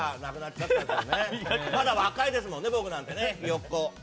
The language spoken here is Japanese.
まだ若いですもんね、僕なんて。